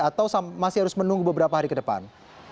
atau masih harus menunggu beberapa hari ke depan